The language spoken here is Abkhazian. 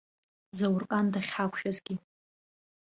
Заурҟан дахьҳақәшәазгьы.